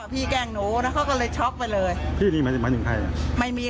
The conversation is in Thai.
พี่แกล้งหนูแล้วก็เลยช็อคไปเลยพี่นี้หมายถึงใครไม่มี